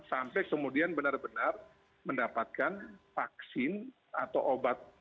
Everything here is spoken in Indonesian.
sampai kemudian benar benar mendapatkan vaksin atau obat